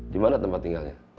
di mana tempat tinggalnya